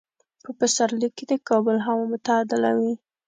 په پسرلي کې د کابل هوا معتدله وي.